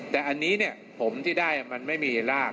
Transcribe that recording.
แต่ผมที่ได้มันไม่มีราก